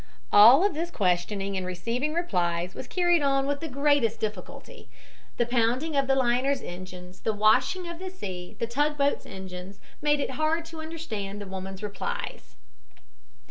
All of this questioning and receiving replies was carried on with the greatest difficulty. The pounding of the liner's engines, the washing of the sea, the tugboat's engines, made it hard to understand the woman's replies.